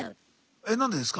「えっなんでですか？」